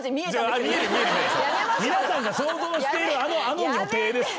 皆さんが想像しているあの女帝です。